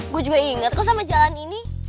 gue juga inget kok sama jalan ini